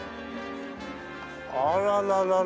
あらららら。